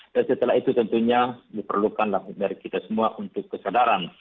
dan setelah itu tentunya diperlukanlah dari kita semua untuk kesadaran